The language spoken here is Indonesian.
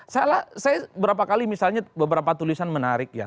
saya berapa kali misalnya beberapa tulisan menarik ya